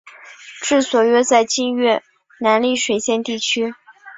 治所约在今越南丽水县地区。